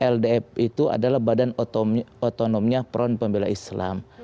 ldf itu adalah badan otonomnya front pembela islam